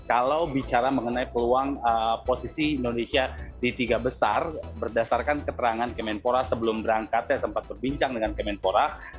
kalau bicara mengenai peluang posisi indonesia di tiga besar berdasarkan keterangan kemenpora sebelum berangkat saya sempat berbincang dengan kemenpora